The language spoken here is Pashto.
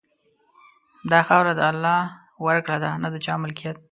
دا خاوره د الله ورکړه ده، نه د چا ملکیت.